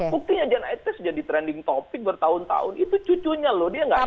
buktinya jan etes jadi trending topic bertahun tahun itu cucunya loh dia nggak tahu